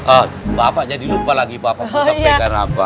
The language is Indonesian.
oh bapak jadi lupa lagi bapak mau sampaikan apa